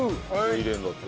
入れるんだって。